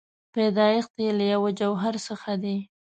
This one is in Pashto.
پیدایښت یې له یوه جوهر څخه دی.